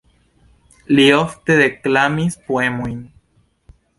Li ofte deklamis poemojn.